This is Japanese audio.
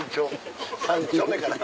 ３丁目かな。